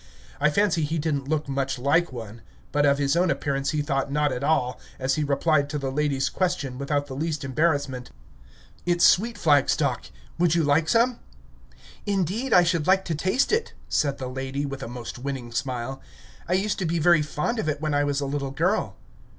I fancy he did n't look much like one. But of his own appearance he thought not at all, as he replied to the lady's question, without the least embarrassment: "It's sweet flag stalk; would you like some?" "Indeed, I should like to taste it," said the lady, with a most winning smile. "I used to be very fond of it when I was a little girl."